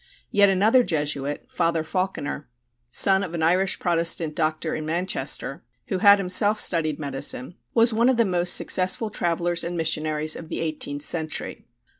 Yet another Jesuit, Father Falkiner, son of an Irish Protestant doctor in Manchester, who had himself studied medicine, was one of the most successful travellers and missionaries of the 18th century.